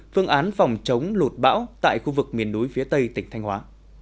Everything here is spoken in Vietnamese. phương án phòng chống lụt bão tại khu vực miền núi phía tây tỉnh thanh hóa